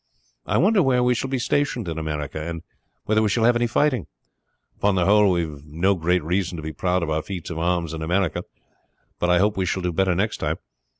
I wonder where we shall be stationed in America, and whether we shall have any fighting? Upon the whole we have no very great reason to be proud of our feats of arms in America; but I hope we shall do better next time.